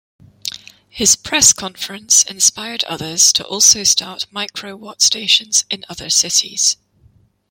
His press conference inspired others to also start microwatt stations in other cities.